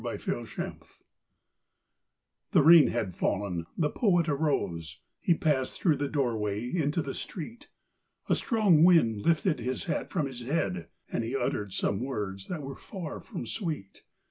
THE POET'S HAT The rain had fallen, the Poet arose, He passed through the doorway into the street, A strong wind lifted his hat from his head, And he uttered some words that were far from sweet.